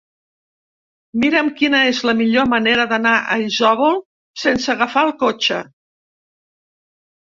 Mira'm quina és la millor manera d'anar a Isòvol sense agafar el cotxe.